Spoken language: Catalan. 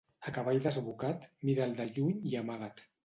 A cavall desbocat, mira'l de lluny i amagat